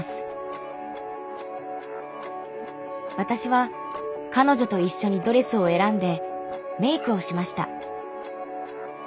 私は彼女と一緒にドレスを選んでメイクをしました。